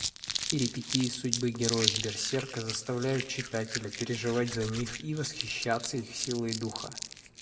Перипетии судьбы героев Берсерка заставляют читателя переживать за них и восхищаться их силой духа.